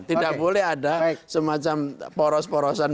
tidak boleh ada semacam poros porosan